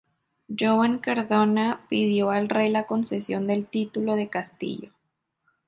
Joan Cardona pidió al rey la concesión del título de castillo.